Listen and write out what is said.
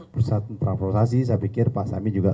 perusahaan transportasi saya pikir pak semi juga